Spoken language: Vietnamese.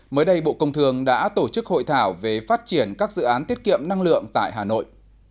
mới đây bộ công thường đã tổ chức hội thảo về phát triển các dự án tiết kiệm năng lượng tại hà nội